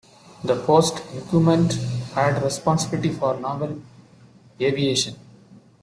The post's incumbent had responsibility for naval aviation.